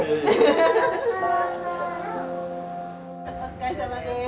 お疲れさまです。